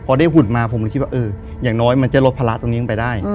พอได้หุ่นมาผมก็คิดว่าอย่างน้อยมันจะลดภาระตรงนี้ลงไปได้